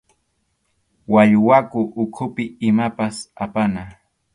Wallwakʼu ukhupi imapas apana.